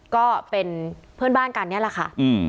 ก็เป็นเพื่อนบ้านกันนี่แหละค่ะ